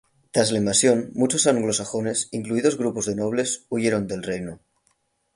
Tras la invasión muchos anglosajones, incluidos grupos de nobles, huyeron del reino.